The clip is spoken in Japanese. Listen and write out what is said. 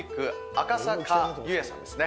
赤坂湯屋さんですね。